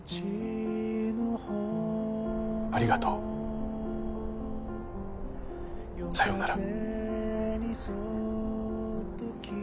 「ありがとう」「さようなら」。